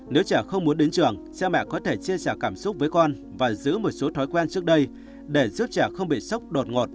nếu trẻ không muốn đến trường sa mẹ có thể chia sẻ cảm xúc với con và giữ một số thói quen trước đây để giúp trẻ không bị sốc đột ngột